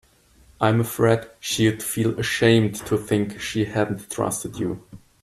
I'm afraid she'd feel ashamed to think she hadn't trusted you.